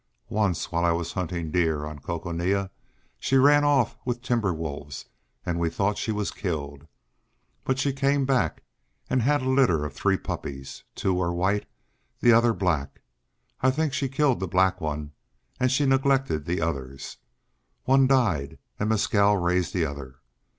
Once while I was hunting deer on Coconina she ran off with timber wolves and we thought she was killed. But she came back, and had a litter of three puppies. Two were white, the other black. I think she killed the black one. And she neglected the others. One died, and Mescal raised the other.